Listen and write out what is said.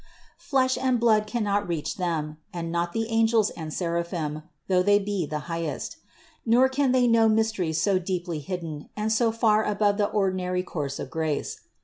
Flesh and blood cannot reach them, and not the angels and seraphim, though they be of the highest; nor can they know mysteries so deeply hidden and so far above the ordinary course of grace.